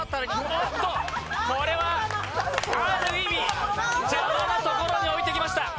おっと、これはある意味邪魔なところに置いてきました。